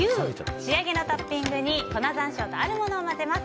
仕上げのトッピングに粉山椒とあるものを混ぜます。